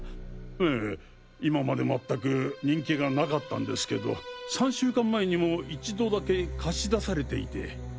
ええ今までまったく人気がなかったんですけど３週間前にも一度だけ貸し出されていて。